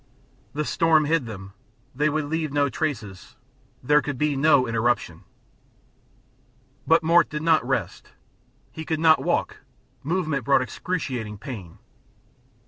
The storm hid them, they would leave no traces, there could be no interruption. But Mort did not rest. He could not walk; movement brought excruciating pain.